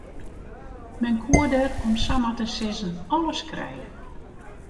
Men koe der om samar te sizzen alles krije.